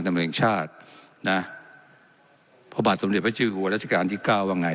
ธรรมเองชาตินะพระบาทสมเด็จพระชีวิตหัวราชการที่เก้าว่าไง